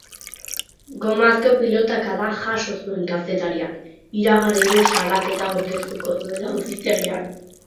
Gomazko pilotakada jaso zuen kazetariak iragarri du salaketa aurkeztuko duela auzitegian.